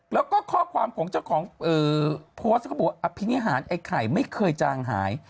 แล้วก็ข้อความของเจ้าของโพสต์เขาบอกว่าอภินิหารไอ้ไข่ไม่เคยจางหาย